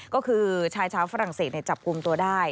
ก็คือชายชาวฝรั่งเศสจับกลุ่มตัวได้